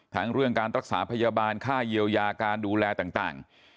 เรื่องการรักษาพยาบาลค่าเยียวยาการดูแลต่าง